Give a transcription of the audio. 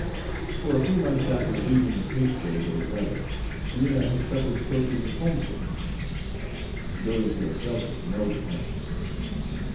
For a few months after leaving Patesville with her brother, Rena had suffered tortures of homesickness; those who have felt it know the pang.